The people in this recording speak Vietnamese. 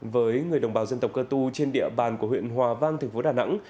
với người đồng bào dân tộc cơ tu trên địa bàn của huyện hòa vang thành phố đà nẵng